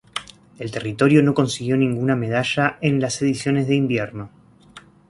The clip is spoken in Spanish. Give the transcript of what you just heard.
El territorio no consiguió ninguna medalla en las ediciones de invierno.